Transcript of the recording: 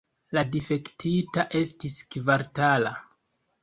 La difektita estis kvartala.